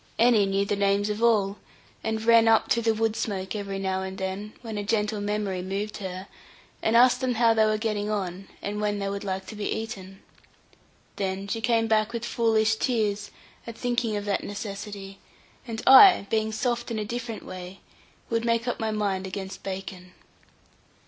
Annie knew the names of all, and ran up through the wood smoke, every now and then, when a gentle memory moved her, and asked them how they were getting on, and when they would like to be eaten. Then she came back with foolish tears, at thinking of that necessity; and I, being soft in a different way, would make up my mind against bacon.